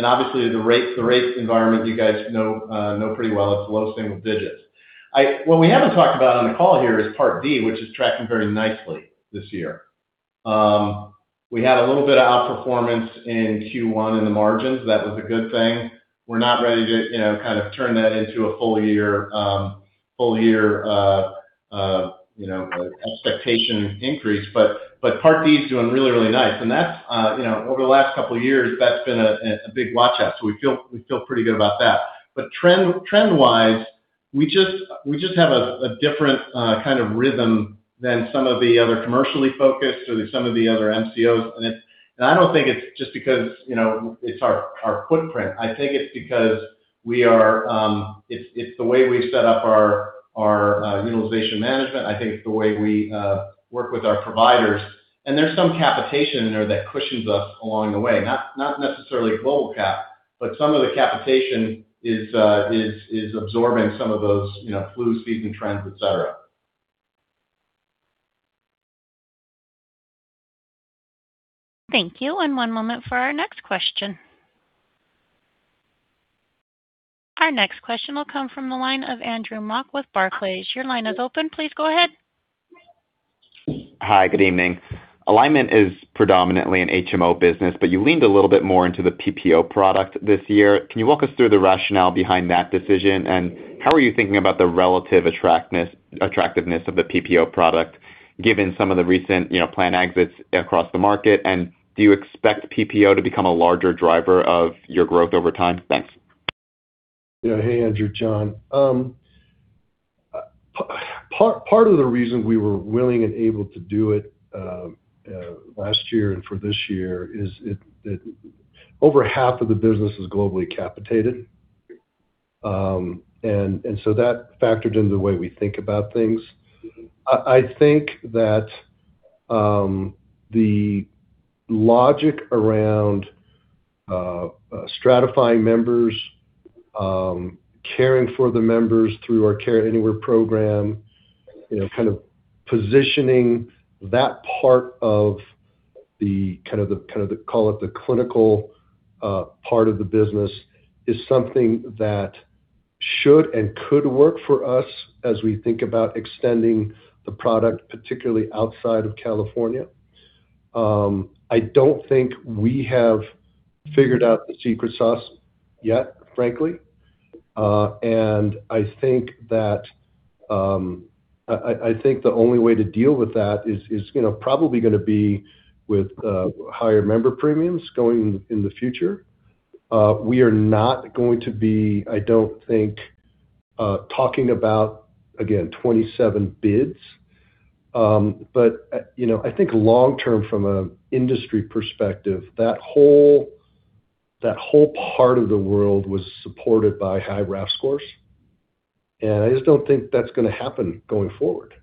Obviously the rate environment, you guys know pretty well. It's low-single digits. What we haven't talked about on the call here is Part D, which is tracking very nicely this year. We had a little bit of outperformance in Q1 in the margins. That was a good thing. We're not ready to, you know, kind of turn that into a full year expectation increase, but Part D is doing really, really nice. That's, you know, over the last couple of years, that's been a big watch out, so we feel pretty good about that. Trend-wise. We just have a different kind of rhythm than some of the other commercially focused or some of the other MCOs. I don't think it's just because, you know, it's our footprint. I think it's because we are. It's the way we've set up our utilization management. I think it's the way we work with our providers. There's some capitation there that cushions us along the way. Not necessarily global cap, but some of the capitation is absorbing some of those, you know, flu season trends, et cetera. Thank you, and one moment for our next question. Our next question will come from the line of Andrew Mok with Barclays. Your line is open, please go ahead. Hi, good evening. Alignment is predominantly an HMO business, but you leaned a little bit more into the PPO product this year. Can you walk us through the rationale behind that decision? How are you thinking about the relative attractiveness of the PPO product, given some of the recent, you know, plan exits across the market? Do you expect PPO to become a larger driver of your growth over time? Thanks. Yeah. Hey, Andrew, John. Part of the reason we were willing and able to do it last year and for this year is that over half of the business is globally capitated. That factored into the way we think about things. I think that the logic around stratifying members, caring for the members through our Care Anywhere program, you know, kind of positioning that part of the kind of the call it the clinical part of the business, is something that should and could work for us as we think about extending the product, particularly outside of California. I don't think we have figured out the secret sauce yet, frankly. I think that, I think the only way to deal with that is, you know, probably gonna be with higher member premiums going in the future. We are not going to be, I don't think, talking about, again, 27 bids. You know, I think long-term from a industry perspective, that whole part of the world was supported by high RAS scores. I just don't think that's gonna happen going forward.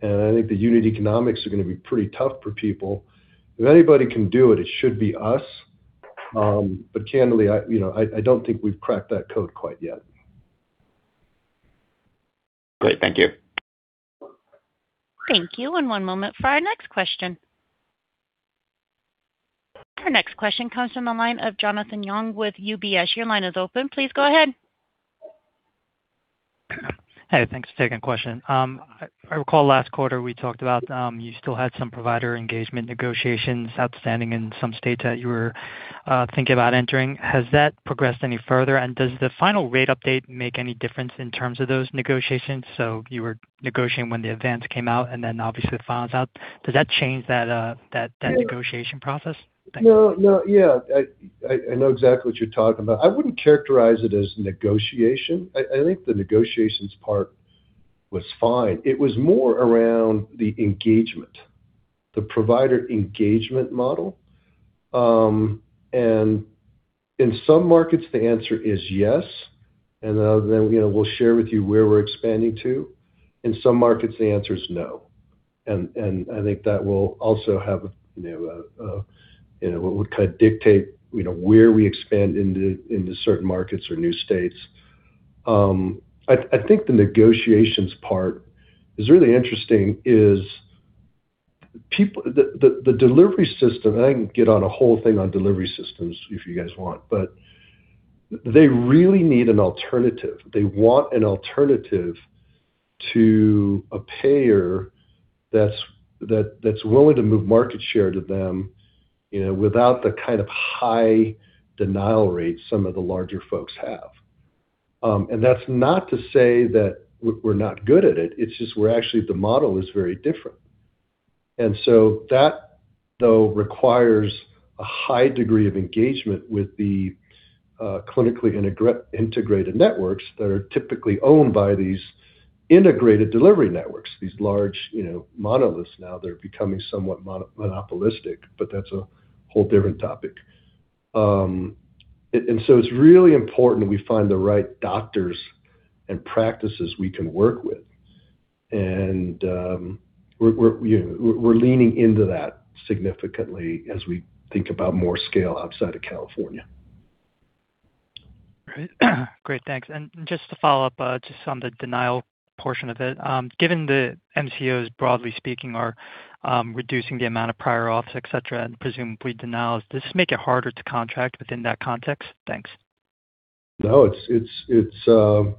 I think the unit economics are gonna be pretty tough for people. If anybody can do it should be us. Candidly, I, you know, I don't think we've cracked that code quite yet. Great. Thank you. Thank you, and one moment for our next question. Our next question comes from the line of Jonathan Yong with UBS. Your line is open. Please go ahead. Hey, thanks. Second question. I recall last quarter we talked about, you still had some provider engagement negotiations outstanding in some states that you were thinking about entering. Has that progressed any further? Does the final rate update make any difference in terms of those negotiations? You were negotiating when the advance came out, and then obviously the final's out. Does that change that negotiation process? Thanks. No, no. Yeah, I know exactly what you're talking about. I wouldn't characterize it as negotiation. I think the negotiations part was fine. It was more around the engagement, the provider engagement model. In some markets, the answer is yes, then, you know, we'll share with you where we're expanding to. In some markets, the answer is no. I think that will also have, you know, a, you know, what would kind of dictate, you know, where we expand into certain markets or new states. I think the negotiations part is really interesting, is the delivery system, I can get on a whole thing on delivery systems if you guys want, they really need an alternative. They want an alternative to a payer that's willing to move market share to them, you know, without the kind of high denial rates some of the larger folks have. That's not to say that we're not good at it. It's just we're actually, the model is very different. That, though, requires a high degree of engagement with the clinically integrated networks that are typically owned by these integrated delivery networks, these large, you know, monoliths now that are becoming somewhat monopolistic, but that's a whole different topic. It's really important we find the right doctors and practices we can work with. We're, you know, we're leaning into that significantly as we think about more scale outside of California. Great. Great, thanks. Just to follow up, just on the denial portion of it. Given the MCOs, broadly speaking, are reducing the amount of prior auths, et cetera, and presumably denials, does this make it harder to contract within that context? Thanks. No, it's, you know,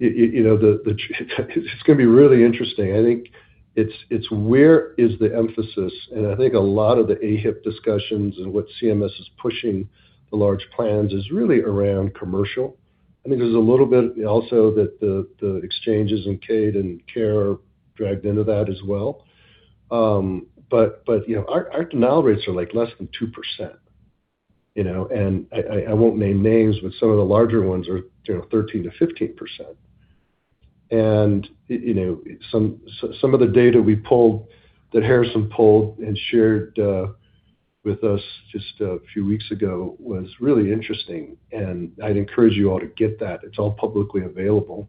it's gonna be really interesting. I think it's where is the emphasis? I think a lot of the AHIP discussions and what CMS is pushing the large plans is really around commercial. I think there's a little bit also that the exchanges in CAID and CARE are dragged into that as well. You know, our denial rates are like less than 2%. You know, I won't name names, but some of the larger ones are, you know, 13%-15%. You know, some of the data we pulled, that Harrison pulled and shared with us just a few weeks ago was really interesting, and I'd encourage you all to get that. It's all publicly available.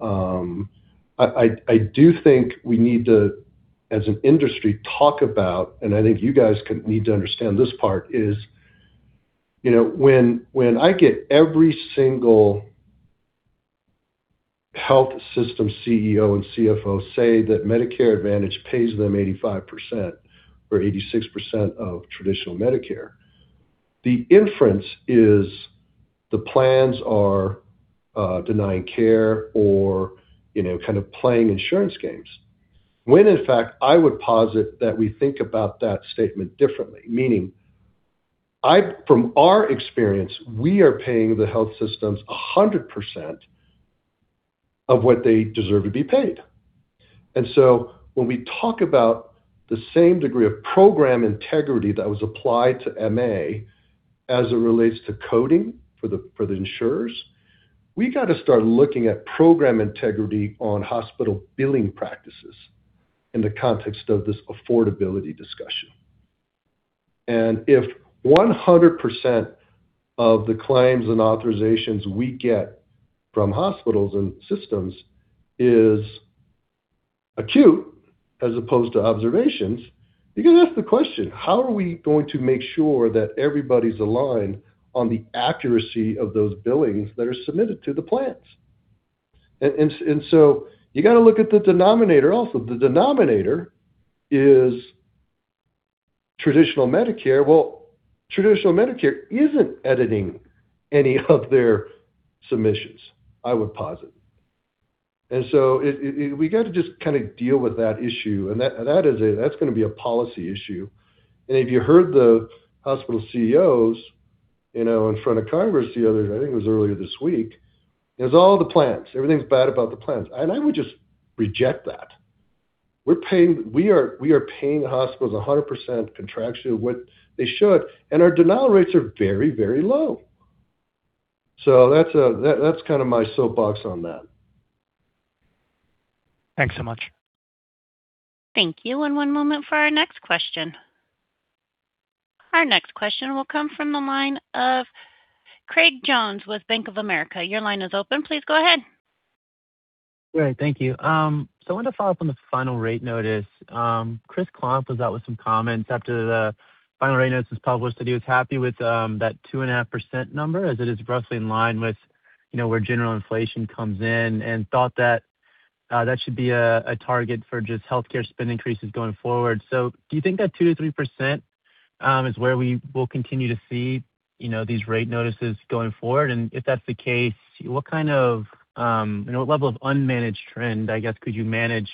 I do think we need to, as an industry, talk about, and I think you guys need to understand this part, is, you know, when I get every single health system CEO and CFO say that Medicare Advantage pays them 85% or 86% of traditional Medicare, the inference is the plans are denying care or, you know, kind of playing insurance games. In fact, I would posit that we think about that statement differently, meaning from our experience, we are paying the health systems 100% of what they deserve to be paid. When we talk about the same degree of program integrity that was applied to MA as it relates to coding for the, for the insurers, we got to start looking at program integrity on hospital billing practices in the context of this affordability discussion. If 100% of the claims and authorizations we get from hospitals and systems is acute as opposed to observations, you can ask the question: how are we going to make sure that everybody's aligned on the accuracy of those billings that are submitted to the plans? You got to look at the denominator also. The denominator is traditional Medicare. Well, traditional Medicare isn't editing any of their submissions, I would posit. We got to just kinda deal with that issue. That is a, that's gonna be a policy issue. If you heard the hospital CEOs, you know, in front of Congress the other day, I think it was earlier this week, it was all the plans. Everything's bad about the plans. I would just reject that. We are paying the hospitals 100% contractually what they should, and our denial rates are very low. That's kinda my soapbox on that. Thanks so much. Thank you. One moment for our next question. Our next question will come from the line of Craig Jones with Bank of America. Your line is open. Please go ahead. Great. Thank you. I wanted to follow up on the final rate notice. Chris Klomp was out with some comments after the final rate notice was published that he was happy with that 2.5% number, as it is roughly in line with, you know, where general inflation comes in, and thought that should be a target for just healthcare spend increases going forward. Do you think that 2%-3% is where we will continue to see, you know, these rate notices going forward? If that's the case, what kind of, you know, what level of unmanaged trend, I guess, could you manage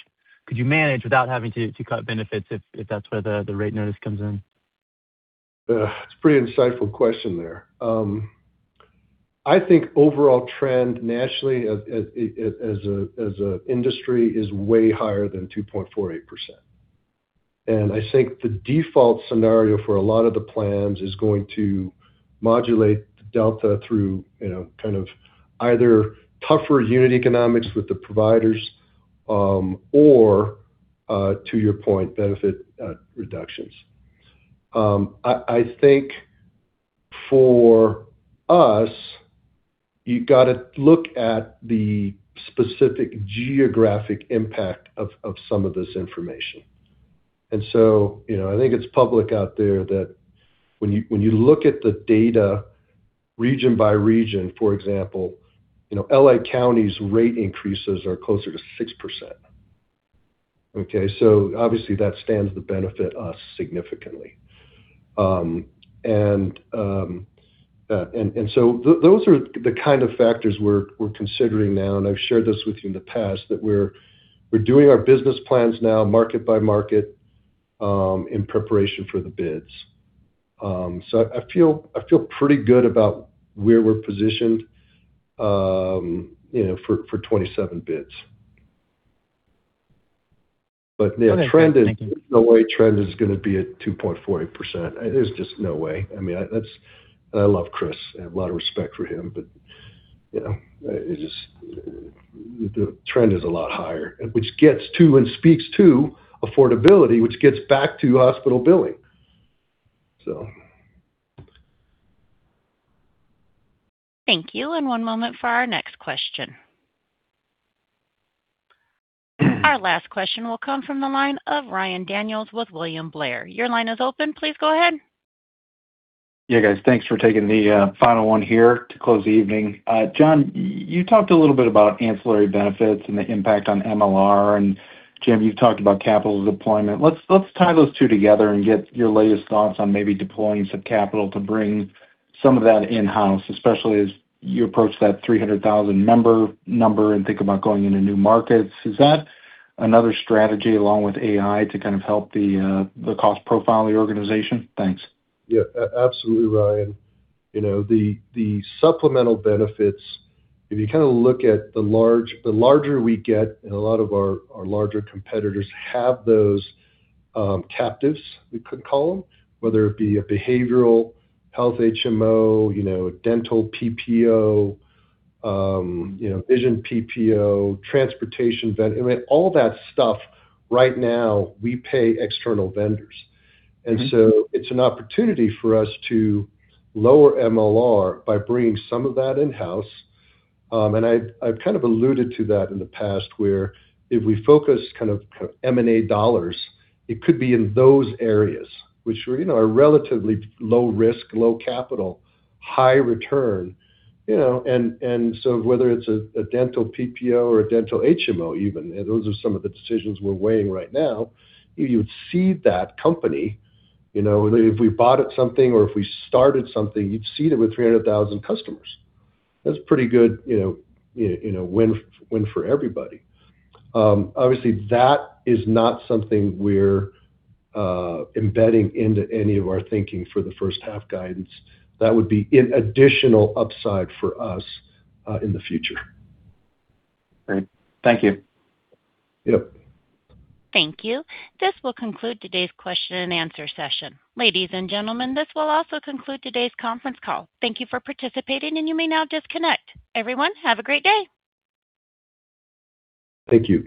without having to cut benefits if that's where the rate notice comes in? It's a pretty insightful question there. I think overall trend nationally as an industry is way higher than 2.48%. I think the default scenario for a lot of the plans is going to modulate the delta through, you know, kind of either tougher unit economics with the providers or to your point, benefit reductions. I think for us, you gotta look at the specific geographic impact of some of this information. So, you know, I think it's public out there that when you look at the data region by region, for example, you know, L.A. County's rate increases are closer to 6%. So obviously that stands to benefit us significantly. Those are the kind of factors we're considering now, and I've shared this with you in the past, that we're doing our business plans now market by market in preparation for the bids. I feel, I feel pretty good about where we're positioned, you know, for 27 bids. Yeah, trend is- Okay. Thank you. No way trend is gonna be at 2.48%. There's just no way. I mean, I love Chris. I have a lot of respect for him, but, you know, the trend is a lot higher, which gets to and speaks to affordability, which gets back to hospital billing. Thank you. One moment for our next question. Our last question will come from the line of Ryan Daniels with William Blair. Your line is open. Please go ahead. Yeah, guys, thanks for taking the final one here to close the evening. John Kao, you talked a little bit about ancillary benefits and the impact on MLR, and Jim Head, you've talked about capital deployment. Let's tie those two together and get your latest thoughts on maybe deploying some capital to bring some of that in-house, especially as you approach that 300,000 member number and think about going into new markets. Is that another strategy along with AI to kind of help the cost profile of the organization? Thanks. Absolutely, Ryan. You know, the supplemental benefits, if you kinda look at the larger we get, and a lot of our larger competitors have those captives, we could call them, whether it be a behavioral health HMO, you know, dental PPO, you know, vision PPO, transportation. I mean, all that stuff right now we pay external vendors. Mm-hmm. It's an opportunity for us to lower MLR by bringing some of that in-house. I've kind of alluded to that in the past where if we focus kind of M&A dollars, it could be in those areas which are, you know, relatively low risk, low capital, high return. You know, and whether it's a dental PPO or a dental HMO even, those are some of the decisions we're weighing right now. You'd seed that company, you know, if we bought it something or if we started something, you'd seed it with 300,000 customers. That's pretty good, you know, win for everybody. Obviously that is not something we're embedding into any of our thinking for the first half guidance. That would be an additional upside for us in the future. Great. Thank you. Yep. Thank you. This will conclude today's question-and-answer session. Ladies and gentlemen, this will also conclude today's conference call. Thank you for participating, and you may now disconnect. Everyone, have a great day. Thank you.